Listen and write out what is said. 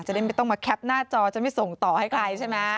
จะได้ไม่ต้องมาแคปหน้าจอจะไม่ส่งต่อให้ใครใช่ไหม